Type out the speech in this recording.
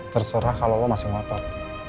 terserah kalau lo masih ngotot